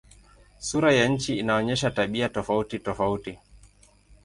Sura ya nchi inaonyesha tabia tofautitofauti.